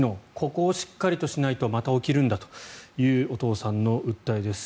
ここをしっかりしないとまた起きるんだというお父さんの訴えです。